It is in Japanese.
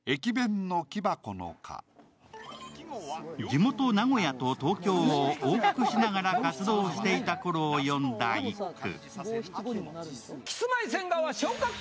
地元・名古屋と東京を往復しながら活動していたころを詠んだ一句。